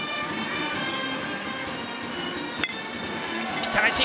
ピッチャー返し。